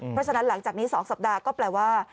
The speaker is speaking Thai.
เพราะฉะนั้นหลังจากนี้๒สัปดาห์ก็แปลว่า